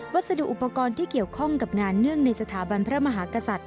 สดุอุปกรณ์ที่เกี่ยวข้องกับงานเนื่องในสถาบันพระมหากษัตริย